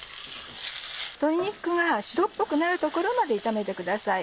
鶏肉が白っぽくなるところまで炒めてください。